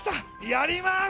やります！